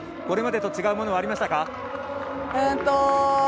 これまでと違うものはありましたか？